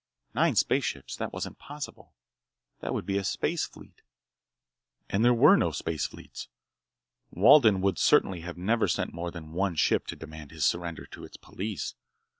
Nine spaceships? That wasn't possible! That would be a space fleet! And there were no space fleets! Walden would certainly have never sent more than one ship to demand his surrender to its police.